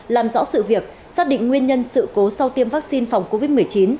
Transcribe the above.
làm rõ sự việc xác định nguyên nhân sự cố sau tiêm vaccine phòng covid một mươi chín